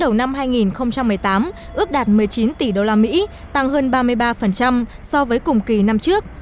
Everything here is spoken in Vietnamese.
kim ngạch xuất khẩu trong tháng đầu năm hai nghìn một mươi tám ước đạt một mươi chín tỷ usd tăng hơn ba mươi ba so với cùng kỳ năm trước